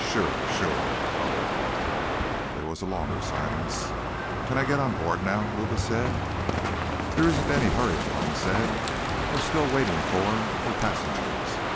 "Sure. Sure. Oh." There was a longer silence. "Can I get on board now?" Luba said. "There isn't any hurry," Malone said. "We're still waiting for—for passengers.